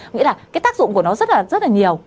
nghĩa là cái tác dụng của nó rất là nhiều